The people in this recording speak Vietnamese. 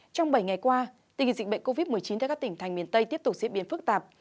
trong bảy ngày qua tình hình dịch bệnh covid một mươi chín tại các tỉnh thành miền tây tiếp tục diễn biến phức tạp